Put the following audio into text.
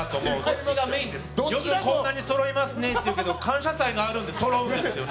「よくこんなに揃いますね」っていうけど「感謝祭」があるんで揃うんですよね